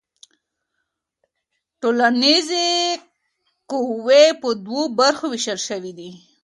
ټولنیزې قوې په دوو برخو ویشل سوي دي.